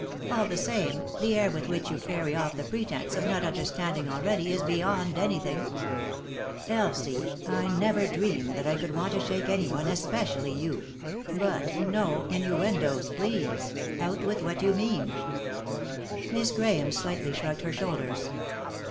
All the same, the air with which you carry off the pretence of not under standing already is beyond anything 1" " Elsie, I never dreamed that I could want to shake anyone, especially you ; but — no innuendoes, please — out with what you mean 1 " Miss Grahame slightly shrugged her shoulders.